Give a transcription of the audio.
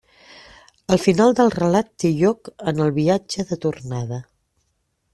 El final del relat té lloc en el viatge de tornada.